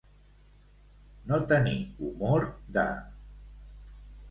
No tenir humor de.